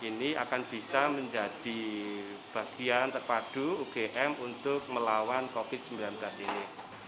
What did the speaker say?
ini akan bisa menjadi bagian terpadu ugm untuk melawan covid sembilan belas ini